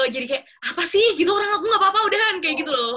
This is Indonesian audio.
jadi kayak apa sih gitu orang aku nggak apa apa udahan kayak gitu loh